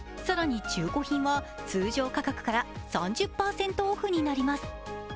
更に中古品は、通常価格から３０％オフになります。